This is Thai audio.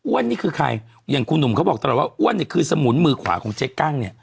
นี่คือใครอย่างคุณหนุ่มเขาบอกตลอดว่าอ้วนเนี่ยคือสมุนมือขวาของเจ๊กั้งเนี่ย